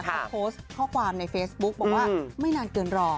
เขาโพสต์ข้อความในเฟซบุ๊กบอกว่าไม่นานเกินรอ